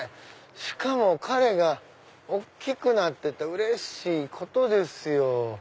しかも彼が大きくなっててうれしいことですよ！